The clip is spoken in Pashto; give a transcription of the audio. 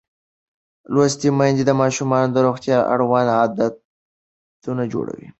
لوستې میندې د ماشومانو د روغتیا اړوند عادتونه جوړوي.